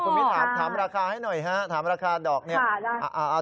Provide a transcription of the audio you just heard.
คุณมิ้นถามราคาให้หน่อยฮะถามราคาดอกเนี่ย